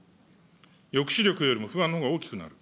抑止力よりも不安のほうが大きくなる。